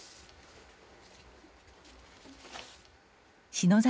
篠崎